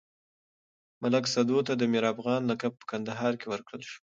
ملک سدو ته د ميرافغانه لقب په کندهار کې ورکړل شو.